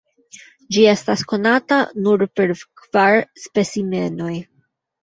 Ĝi estas konata nur per kvar specimenoj.